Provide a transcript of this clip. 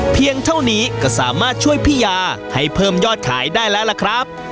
เพียงเท่านี้ก็สามารถช่วยพี่ยาให้เพิ่มยอดขายได้แล้วล่ะครับ